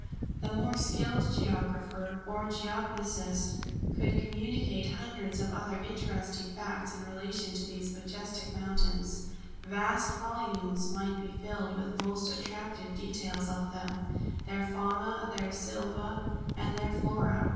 The more skilled geographer, or geognosist, could communicate hundreds of other interesting facts in relation to these majestic mountains; vast volumes might be filled with most attractive details of them their fauna, their sylva, and their flora.